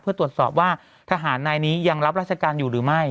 เพื่อตรวจสอบว่าทหารนายนี้ยังรับราชการอยู่หรือไม่